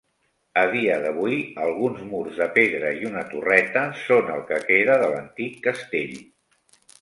A dia d'avui alguns murs de pedra i una torreta són el que queda de l'antic castell.